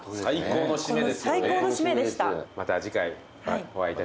・最高の締めですよね。